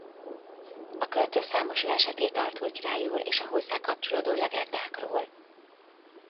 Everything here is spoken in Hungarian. A költő számos verset írt Artur királyról és a hozzá kapcsolódó legendákról.